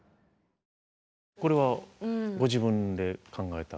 これはご自分で考えた？